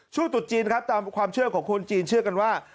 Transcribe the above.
ตุดจีนครับตามความเชื่อของคนจีนเชื่อกันว่า